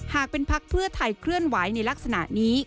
หากเป็นพักเพื่อไทยเคลื่อนไหวในลักษณะนี้